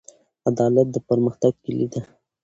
عدالت د پرمختګ کیلي ده.